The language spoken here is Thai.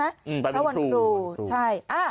อืมประวันครูประวันครูใช่